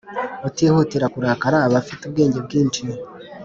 utihutira kurakara aba afite ubwenge bwinshi,